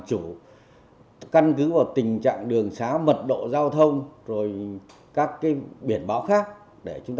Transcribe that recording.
chứ còn không phải là người lái xe thì phải làm chủ